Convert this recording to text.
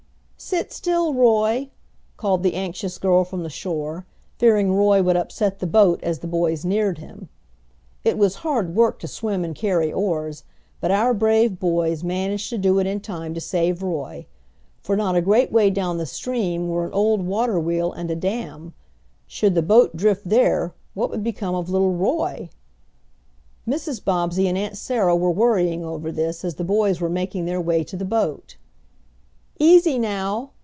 "Sit still, Roy," called the anxious girl from the shore, fearing Roy would upset the boat as the boys neared him. It was hard work to swim and carry oars, but our brave boys managed to do it in time to save Roy. For not a great way down the stream were an old water wheel and a dam. Should the boat drift there what would become of little Roy? Mrs. Bobbsey and Aunt Sarah were worrying over this as the boys were making their way to the boat. "Easy now!"